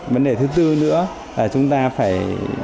vấn đề thứ tư nữa là chúng ta phải